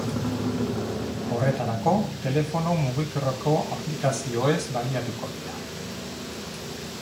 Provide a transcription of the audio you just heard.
Horretarako, telefono mugikorreko aplikazioez baliatuko dira.